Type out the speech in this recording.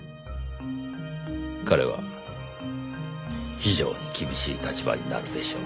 彼は非常に厳しい立場になるでしょう。